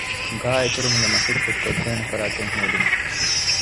ގާއެތުރުމުގެ މަސައްކަތްކޮށްދޭނެ ފަރާތެއް ހޯދުމަށް